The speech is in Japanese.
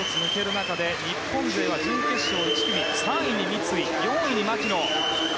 中で日本勢は準決勝１組で３位に三井４位に牧野。